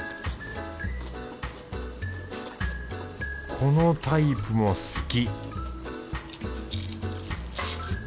このタイプも好き